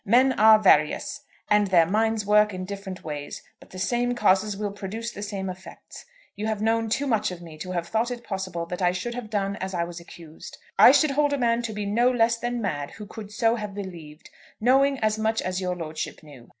Men are various, and their minds work in different ways, but the same causes will produce the same effects. You have known too much of me to have thought it possible that I should have done as I was accused. I should hold a man to be no less than mad who could so have believed, knowing as much as your lordship knew.